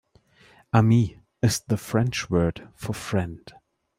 Ami is the French word for friend.